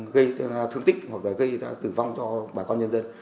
gây thương tích hoặc gây tử vong cho bà con nhân dân